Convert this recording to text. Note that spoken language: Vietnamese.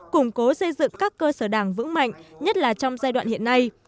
củng cố xây dựng các cơ sở đảng vững mạnh nhất là trong giai đoạn hiện nay